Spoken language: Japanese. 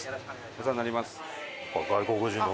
お世話になります。